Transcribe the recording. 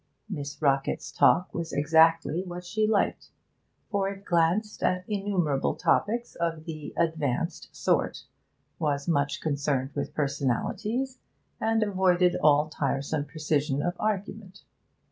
Miss Rockett's talk was exactly what she liked, for it glanced at innumerable topics of the 'advanced' sort, was much concerned with personalities, and avoided all tiresome precision of argument.